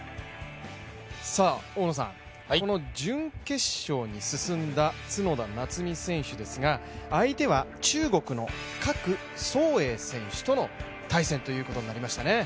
この準決勝に進んだ角田夏実選手ですが相手は中国の郭宗英選手との対戦ということになりましたね。